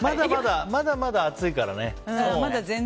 まだまだ暑いからね。